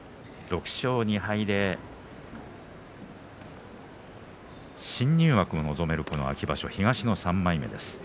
６勝２敗で新入幕は望める秋場所東の３枚目です。